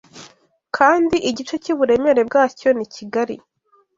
kandi igice cy'uburemere bwacyo ni kigari